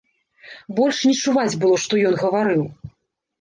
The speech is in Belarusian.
Больш не чуваць было, што ён гаварыў.